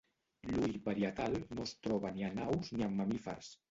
L'ull parietal no es troba ni en aus ni en mamífers.